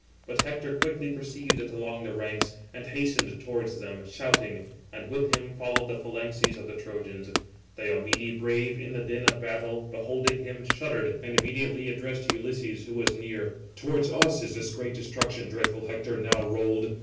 But Hector quickly perceived it along the ranks, and hastened towards them, shouting; and with him followed the phalanxes of the Trojans. Diomede, brave in the din of battle, beholding him, shuddered, and immediately addressed Ulysses, who was near: "Towards us is this great destruction, dreadful Hector, now rolled.